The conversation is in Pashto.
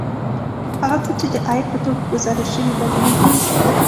هغه څه چې د عاید په توګه ګزارش شوي بدلېږي